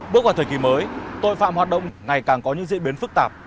bước vào thời kỳ mới tội phạm hoạt động ngày càng có những diễn biến phức tạp